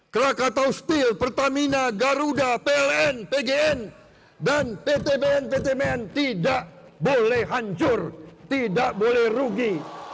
krakatau steel pertamina garuda pln pgn dan pt bnptn tidak boleh hancur tidak boleh rugi